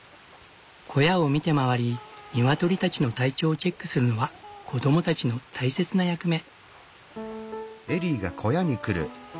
小屋を見て回り鶏たちの体調をチェックするのは子どもたちの大切な役目。